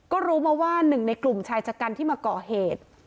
ก็รู้มาว่า๑ในกลุ่มชายจัดการที่มาเกาะเหตุ